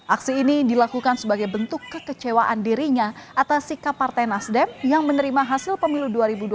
aksi ini dilakukan sebagai bentuk kekecewaan dirinya atas sikap partai nasdem yang menerima hasil pemilu dua ribu dua puluh